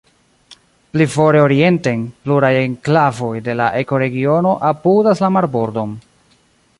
Pli fore orienten, pluraj enklavoj de la ekoregiono apudas la marbordon.